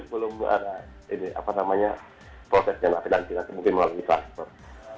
belum ada prosesnya dan mungkin melalui transfer